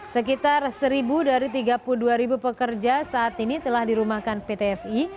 sekitar seribu dari tiga puluh dua ribu pekerja saat ini telah dirumahkan pt fi